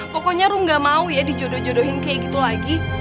pokoknya rum gak mau ya dijodoh jodohin kayak gitu lagi